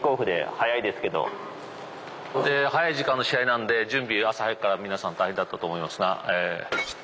早い時間の試合なんで準備朝早くから皆さん大変だったと思いますが。